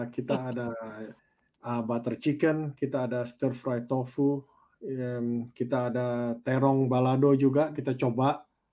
kita ada butter chicken kita ada star fright tofu kita ada terong balado juga kita coba